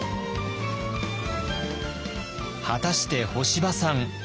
果たして干場さん